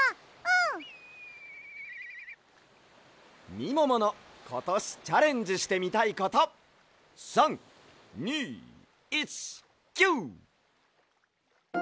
みもものことしチャレンジしてみたいこと３２１キュー！